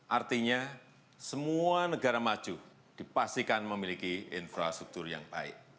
artinya semua negara maju dipastikan memiliki infrastruktur yang baik